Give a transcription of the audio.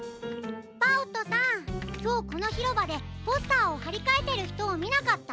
パオットさんきょうこのひろばでポスターをはりかえてるひとをみなかった？